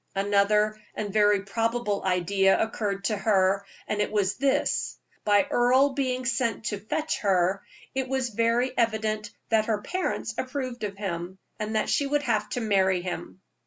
Another and very probable idea occurred to her. It was this: by Earle being sent to fetch her, it was very evident that her parents approved of him, and that she would have to marry him.